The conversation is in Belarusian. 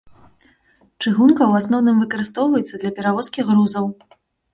Чыгунка ў асноўным выкарыстоўваецца для перавозкі грузаў.